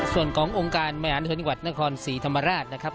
ส่วนขององค์การแมงหาเนื้อถือวัฒนธรรมนาครสีธรรมราชนะครับ